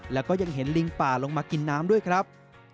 แล้วก็ยังเห็นลิงป่าลงมากินน้ำด้วยครับ